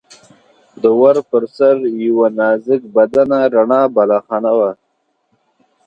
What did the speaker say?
د ور پر سر یوه نازک بدنه رڼه بالاخانه وه.